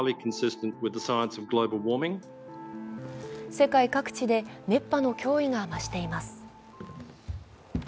世界各地で熱波の脅威が増しています。